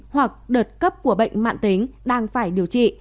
hoặc đợt cấp của bệnh mạng tính đang phải điều trị